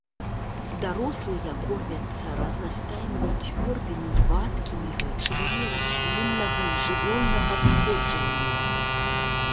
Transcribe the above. Дарослыя кормяцца разнастайнымі цвёрдымі і вадкімі рэчывамі расліннага і жывёльнага паходжання.